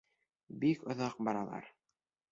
Бик оҙаҡ баралар.